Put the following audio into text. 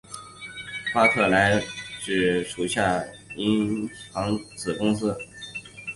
巴克莱资本集团之投资银行子公司。